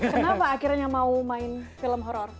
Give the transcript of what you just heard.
kenapa akhirnya mau main film horror